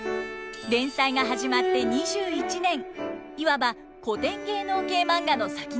連載が始まって２１年いわば古典芸能系マンガの先駆けです。